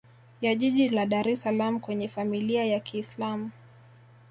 ya jiji la Dar es salaam kwenye Familia ya kiislam